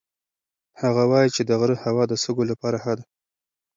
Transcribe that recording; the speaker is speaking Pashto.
هغه وایي چې د غره هوا د سږو لپاره ښه ده.